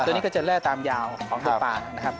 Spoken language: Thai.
ตัวนี้ก็จะแร่ตามยาวของตัวปลานะครับ